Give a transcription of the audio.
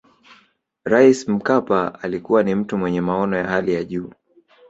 rais mkapa alikuwa ni mtu mwenye maono ya hali ya juu